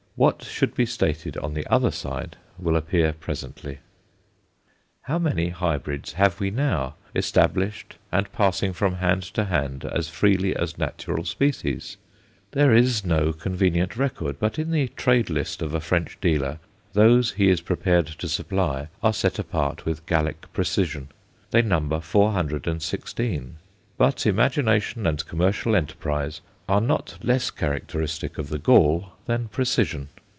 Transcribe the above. What should be stated on the other side will appear presently. How many hybrids have we now, established, and passing from hand to hand as freely as natural species? There is no convenient record; but in the trade list of a French dealer those he is prepared to supply are set apart with Gallic precision. They number 416; but imagination and commercial enterprise are not less characteristic of the Gaul than precision.